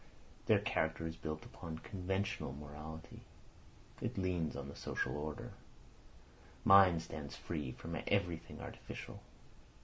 Their character is built upon conventional morality. It leans on the social order. Mine stands free from everything artificial.